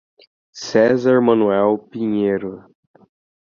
Cesar Manoel Pinheiro